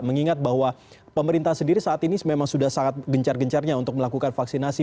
mengingat bahwa pemerintah sendiri saat ini memang sudah sangat gencar gencarnya untuk melakukan vaksinasi